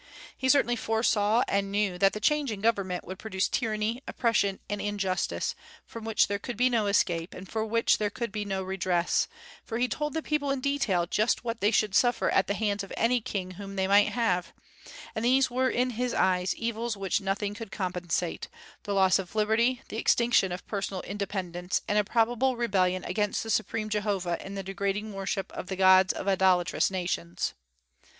He certainly foresaw and knew that the change in government would produce tyranny, oppression, and injustice, from which there could be no escape and for which there could be no redress, for he told the people in detail just what they should suffer at the hands of any king whom they might have; and these were in his eyes evils which nothing could compensate, the loss of liberty, the extinction of personal independence, and a probable rebellion against the Supreme Jehovah in the degrading worship of the gods of idolatrous nations.